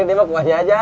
ini nih mah kuahnya aja